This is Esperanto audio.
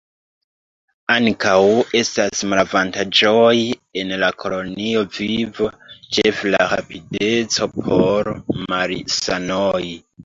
Ankaŭ estas malavantaĝoj en la kolonia vivo, ĉefe la rapideco por malsanoj.